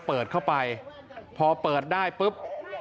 เปิดเข้าไปพอเปิดได้ปุ๊บ